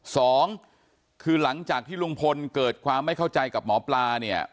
สองคือหลังจากที่ลุงพลเกิดความไม่เข้าใจกับหมอปลาเนี่ย